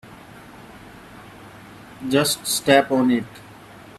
Just step on it.